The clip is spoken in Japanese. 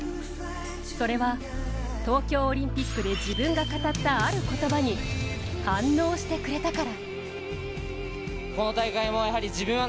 それは東京オリンピックで自分が語ったある言葉に反応してくれたから。